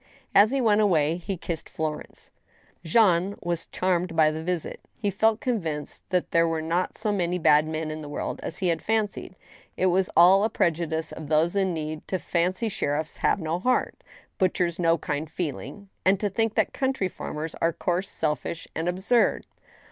As be went away, he kissed Florence. Jean was charmed by this visit. He felt convinced that there were not so many bad men in the world as he had fancied. It was all a prejudice of those in need to fancy sheriffs have no heart, butchers no kind feeling, and to think that country farmers are coarse, selfish, and absurd.